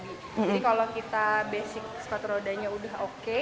jadi kalau kita basic sepatu rodanya udah oke